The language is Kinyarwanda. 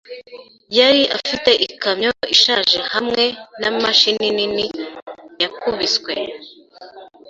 Yari afite ikamyo ishaje hamwe na mashini nini, yakubiswe.